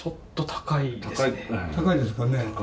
高いですかね。